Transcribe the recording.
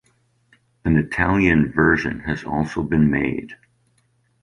An Italian version has also been made.